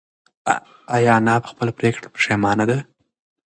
ایا انا په خپله پرېکړه پښېمانه ده؟